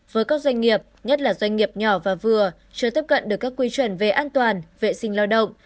với các doanh nghiệp nhất là doanh nghiệp nhỏ và vừa chưa tiếp cận được các quy chuẩn về an toàn vệ sinh lao động